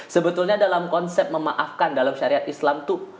sebetulnya dalam konsep memaafkan dalam syariat islam itu